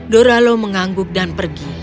doralo mengangguk dan pergi